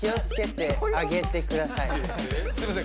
すいません